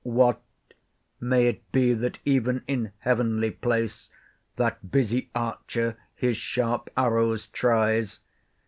What! may it be, that even in heavenly place That busy Archer his sharp arrows tries?